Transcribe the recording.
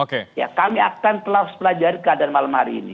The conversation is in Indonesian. kami akan telah sepelajari keadaan malam hari ini